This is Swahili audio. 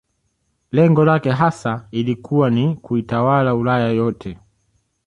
Lengo lake hasa ilikuwa ni kuitawala Ulaya yote